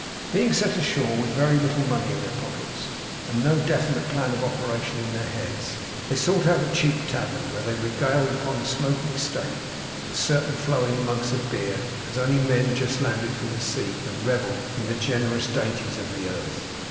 Being set ashore, with very little money in their pockets, and no definite plan of operation in their heads, they sought out a cheap tavern, where they regaled upon a smoking steak, and certain flowing mugs of beer, as only men just landed from the sea can revel in the generous dainties of the earth.